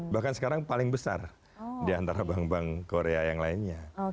bahkan sekarang paling besar diantara bank bank korea yang lainnya